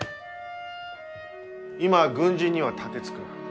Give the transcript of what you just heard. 今は軍人には盾つくな。